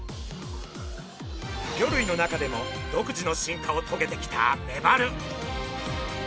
魚類の中でも独自の進化をとげてきたメバル。